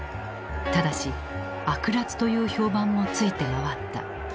ただし悪辣という評判も付いて回った。